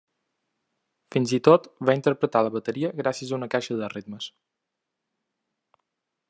Fins i tot va interpretar la bateria gràcies a una caixa de ritmes.